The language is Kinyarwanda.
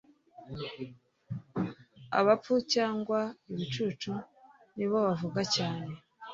abapfu cyangwa ibicucu ni bo bavuga cyane.